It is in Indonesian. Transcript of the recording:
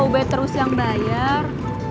kok kamu terus bayar